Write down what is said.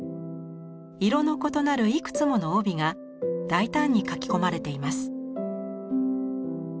色の異なるいくつもの帯が大胆に描き込まれています。